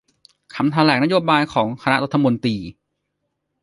คำแถลงนโยบายของคณะรัฐมนตรี